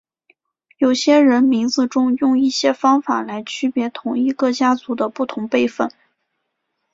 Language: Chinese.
有些人名字中用一些方法来区别同一个家族的不同辈分。